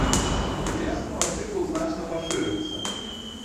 Увесну артыкул значна пашырыцца.